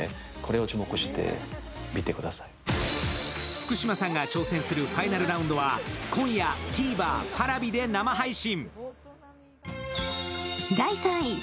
福嶌さんが挑戦するファイナルラウンドは今夜、ＴＶｅｒ、Ｐａｒａｖｉで生配信。